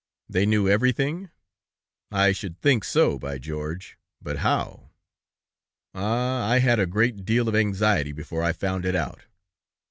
"They knew everything?" "I should think so, by George. But how? Ah! I had a great deal of anxiety before I found it out."